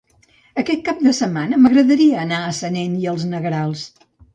Aquest cap de setmana m'agradaria anar a Sanet i els Negrals.